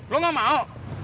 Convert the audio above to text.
lo gak mau